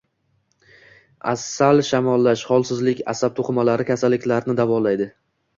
Asal shamollash, holsizlik, asab to‘qimalari kasalliklarini davolaydi.